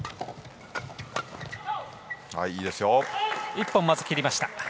１本まず切りました。